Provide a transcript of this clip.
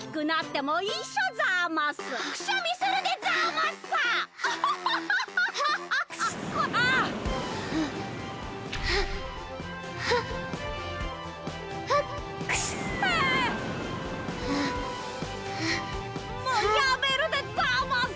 もうやめるでざます。